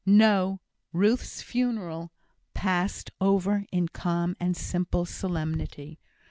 No! Ruth's funeral passed over in calm and simple solemnity.